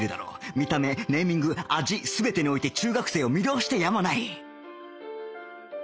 見た目ネーミング味全てにおいて中学生を魅了してやまない